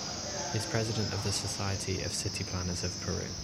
He is president of the Society of City Planners of Peru.